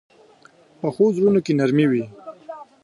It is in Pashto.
پخو زړونو کې نرمي وي